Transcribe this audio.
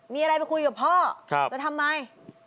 มีอะไรไปคุยกับพ่อจะทำไม